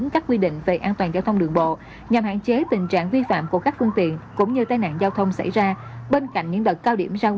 các anh phải nghiền và vận chuyển khoảng một hai trăm linh cây nước đá